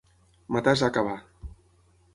Matar és acabar.